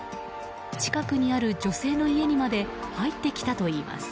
近くにある女性の家にまで入ってきたといいます。